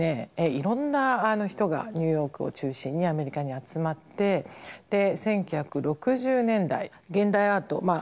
いろんな人がニューヨークを中心にアメリカに集まって１９６０年代現代アートまあ